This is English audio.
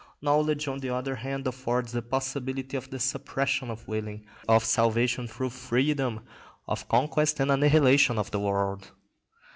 Knowledge, on the other hand, affords the possibility of the suppression of willing, of salvation through freedom, of conquest and annihilation of the world.